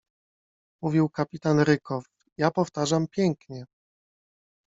Mówił kapitan Rykow, ja powtarzam pięknie